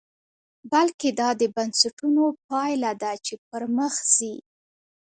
بلکې دا د بنسټونو پایله ده چې پرمخ ځي.